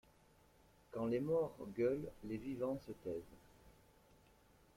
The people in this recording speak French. Quand les morts gueulent, les vivants se taisent.